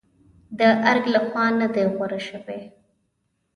د ارګ لخوا نه دي غوره شوې.